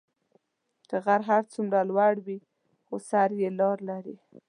که غر هر څومره لوړی وي، خو سر یې لار لري.